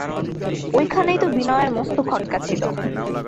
ঐখানেই তো বিনয়ের মস্ত খটকা ছিল।